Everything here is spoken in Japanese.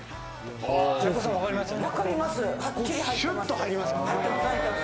シュッと入りますよね。